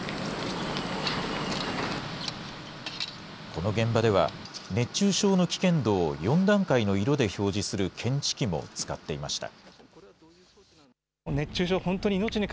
この現場では、熱中症の危険度を４段階の色で表示する検知器も使っていました。